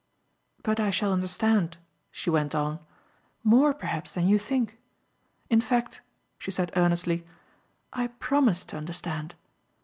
But I shall understand," she went on, "more, perhaps, than you think. In fact," she said earnestly, "I PROMISE to understand.